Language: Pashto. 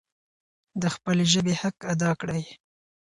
د خپلې ژبي حق ادا کړئ.